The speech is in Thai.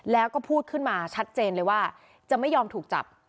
แล้วก็พูดขึ้นมาชัดเจนเลยว่าจะไม่ยอมถูกจับ